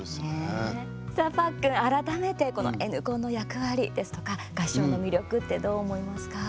さあ、パックン、改めてこの「Ｎコン」の役割ですとか合唱の魅力ってどう思いますか？